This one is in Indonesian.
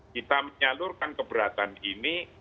kita menyalurkan keberatan ini